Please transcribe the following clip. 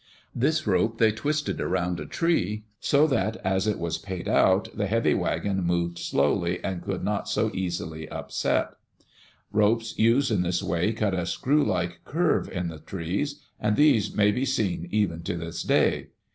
This rope they twisted around a tree, so that as it was paid out the heavy wagon moved slowly and could not so easily upset Ropes used in this way cut a screw like curve in the trees, and these may be seen even to this day.